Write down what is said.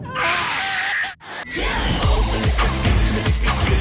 โอ้มันก็เกมมันก็เกมมันก็เกม